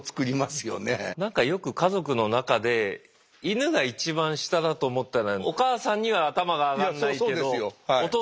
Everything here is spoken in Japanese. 何かよく家族の中でイヌが一番下だと思ったらお母さんには頭が上がんないけどお父さんには強いとか。